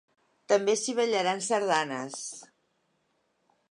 També s’hi ballaran sardanes.